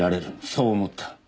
そう思った。